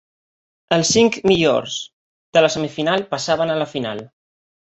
Els cinc millors de la semifinal passaven a la final.